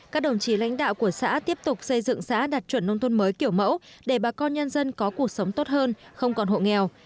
các đồng chí lãnh đạo của xã tiếp tục xây dựng xã đạt chuẩn nông thôn mới kiểu mẫu để bà con nhân dân có cuộc sống tốt hơn không còn hộ nghèo